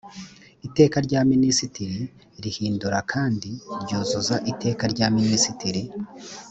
iteka rya minisitiri rihindura kandi ryuzuza iteka rya minisitiri